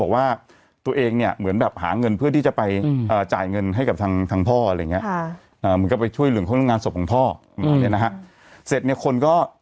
มาเลยนะฮะเสร็จเนี่ยคนก็